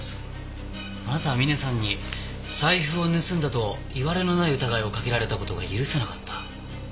あなたはミネさんに財布を盗んだといわれのない疑いをかけられた事が許せなかった。